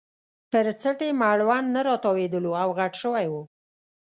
پر څټ یې مړوند نه راتاوېدلو او غټ شوی وو.